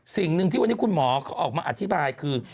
สิ่งหนึ่งที่วันนี้คุณหมอเขาออกมาอธิบายคือ